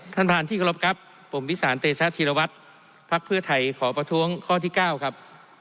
ท่านประธานที่กรบครับผมวิสานเตชะธีรวัตรภักดิ์เพื่อไทยขอประท้วงข้อที่๙ครับ